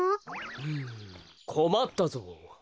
うんこまったぞう。